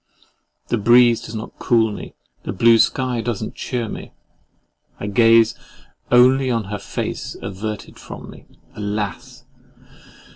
The breeze does not cool me: the blue sky does not cheer me. I gaze only on her face averted from me—alas!